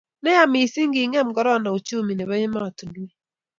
ne ya mising kingem korona uchumi nebo ematunwek